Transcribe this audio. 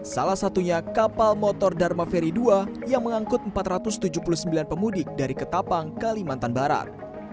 salah satunya kapal motor dharma ferry dua yang mengangkut empat ratus tujuh puluh sembilan pemudik dari ketapang kalimantan barat